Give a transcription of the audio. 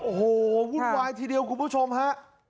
โอ้โหวุ่นวายทีเดียวคุณผู้ชมฮะ